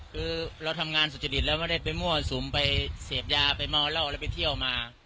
คือเราทำงานสุจริตแล้วไม่ได้ไปมั่วสุมไปเสพยาไปเมาเหล้าแล้วไปเที่ยวมา